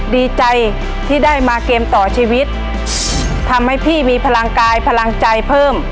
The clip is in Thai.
ดีใจที่ได้มาเกมต่อชีวิตทำให้พี่มีพลังกายพลังใจเพิ่ม